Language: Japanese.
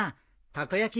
たこ焼き